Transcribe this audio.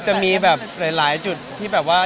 จะมีแบบหลายจุดที่แบบว่า